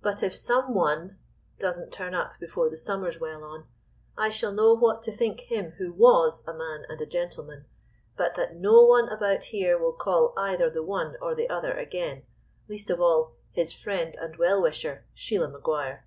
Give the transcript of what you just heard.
"But if some one doesn't turn up before the summer's well on, I shall know what to think him who was a man and a gentleman, but that no one about here will call either the one or the other again, least of all, "His friend and well wisher, "SHEILA MAGUIRE.